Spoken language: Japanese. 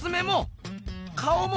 顔も？